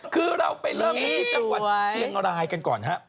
คือเราไปเริ่มกันที่จังหวัดเชียงรายกันก่อนครับ